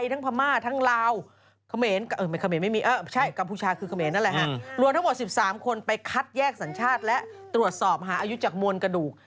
รวมทั้งหมด๑๓คนไปคัดแยกสัญชาติและตรวจสอบหาอายุจากมวลกระดูก